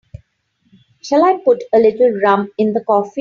Shall I put a little rum in the coffee?